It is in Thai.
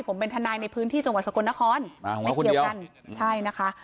ผมเป็นทนายในพื้นที่จังหวัดสกลนครไม่เกี่ยวกันใช่นะคะ